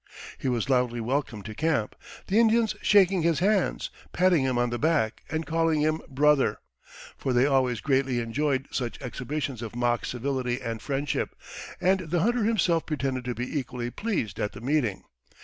He was loudly welcomed to camp, the Indians shaking his hands, patting him on the back, and calling him "brother" for they always greatly enjoyed such exhibitions of mock civility and friendship and the hunter himself pretended to be equally pleased at the meeting.